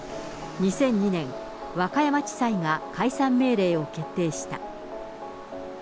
２００２年、和歌山地裁が解散命令を決定した。